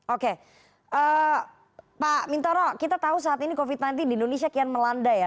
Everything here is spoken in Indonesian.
oke pak mintoro kita tahu saat ini covid sembilan belas di indonesia kian melanda ya